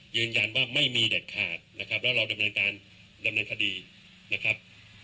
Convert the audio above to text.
ยืนยันว่าไม่มีเด็ดขาดนะครับแล้วเราดำเนินการดำเนินคดีนะครับ